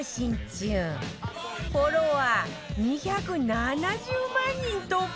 フォロワー２７０万人突破！